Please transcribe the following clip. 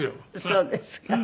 そうですか。